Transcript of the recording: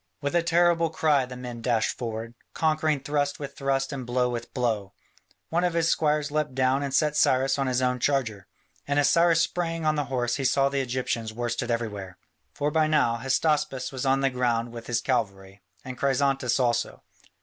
With a terrible cry the men dashed forward, conquering thrust with thrust and blow with blow. One of his squires leapt down and set Cyrus on his own charger. And as Cyrus sprang on the horse he saw the Egyptians worsted everywhere. For by now Hystaspas was on the ground with his cavalry, and Chrysantas also.